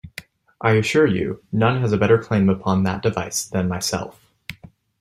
I assure you, none has a better claim upon that device than myself.